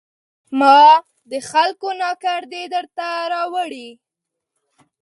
ما د خلکو ناکردې درته راوړي